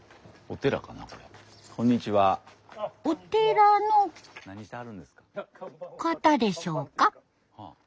お寺の方でしょうか？